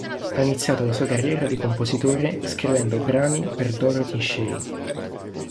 Ha iniziato la sua carriera di compositore scrivendo brani per Dorothy Shay.